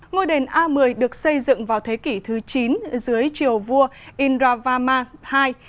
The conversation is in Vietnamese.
ngôi đền a một mươi được xây dựng vào thế kỷ thứ chín dưới triều vua indravama ii